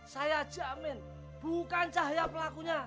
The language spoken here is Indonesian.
saya jamin bukan cahaya pelakunya